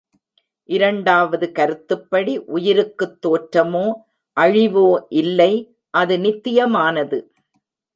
இரண்டாவது கருத்துப்படி உயிருக்குத் தோற்றமோ, அழிவோ இல்லை அது நித்தியமானது.